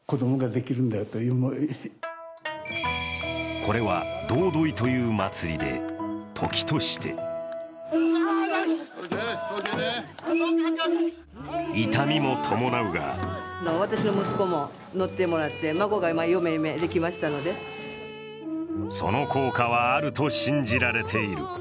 これはドウドイという祭りで、時として痛みも伴うがその効果はあると信じられている。